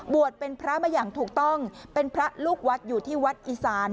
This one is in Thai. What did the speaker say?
เป็นพระมาอย่างถูกต้องเป็นพระลูกวัดอยู่ที่วัดอีสาน